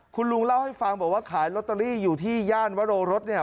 คุณลุงเล่าให้ฟังบอกว่าขายลอตเตอรี่อยู่ที่ย่านวโรรสเนี่ย